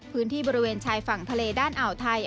พื้นที่บริเวณชายฝั่งทะเลด้านอ่าวไทย